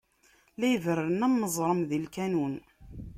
La iberren am uẓṛem di lkanun.